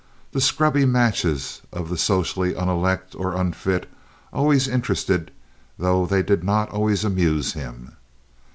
The scrubby matches of the socially unelect or unfit always interested, though they did not always amuse, him.